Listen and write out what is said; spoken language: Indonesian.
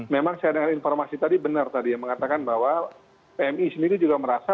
memang saya dengar informasi tadi benar tadi yang mengatakan bahwa pmi sendiri juga merasa